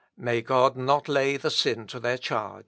May God not lay the sin to their charge."